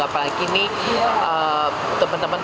apalagi ini teman teman